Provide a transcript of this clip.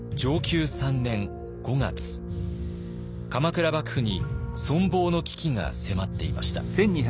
鎌倉幕府に存亡の危機が迫っていました。